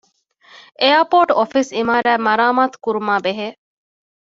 އެއަރޕޯޓް އޮފީސް އިމާރާތް މަރާމާތުކުރުމާ ބެހޭ